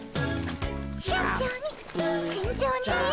慎重に慎重にね。